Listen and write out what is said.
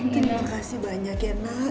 terima kasih banyak ya nak